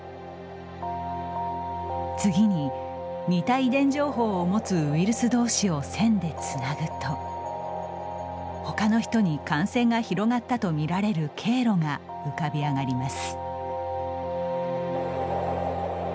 次に、似た遺伝情報を持つウイルスどうしを線でつなぐとほかの人に感染が広がったと見られる経路が浮かび上がります。